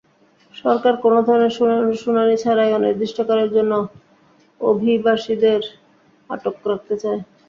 সরকার কোনো ধরনের শুনানি ছাড়াই অনির্দিষ্টকালের জন্য অভিবাসীদের আটক রাখতে চায়।